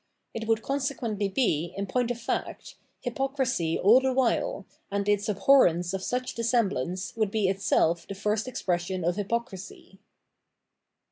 It would consequently be, in point of fact, hypocrisy all the while, and its abhorrence of such dissemblance would be itself the first expression of hypocrisy.